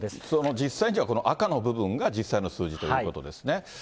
実際にはこの赤の部分が実際の数字ということですね。